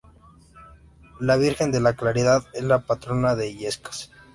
La Virgen de la Caridad es la patrona de Illescas.